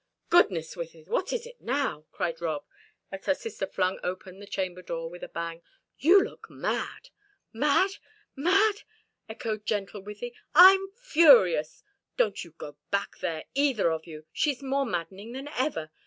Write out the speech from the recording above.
"Goodness, Wythie, what is it now?" cried Rob, as her sister flung open the chamber door with a bang. "You look mad." "Mad? Mad?" echoed gentle Wythie. "I'm furious! Don't you go back there, either of you. She's more maddening than ever.